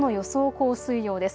降水量です。